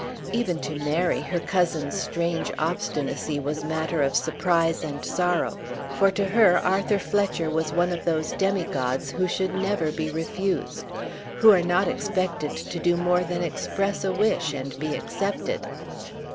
Even to Mary her cousin's strange obstinacy was matter of surprise and sorrow, for to her Arthur Fletcher was one of those demigods, who should never be refused, who are not expected to do more than express a wish and be accepted.